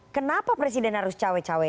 kenapa presiden harus cawe cawe